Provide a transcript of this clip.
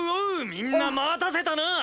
みんな待たせたな！